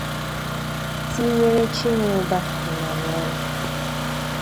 tinyere Chinwụba Emmanuela